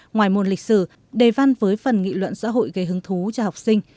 ngoài môn lịch sử đề văn với phần nghị luận xã hội gây hứng thú cho học sinh